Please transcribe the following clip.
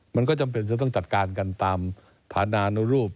มันก็จำเป็นจะต้องจัดการกันตามฐานานุรูป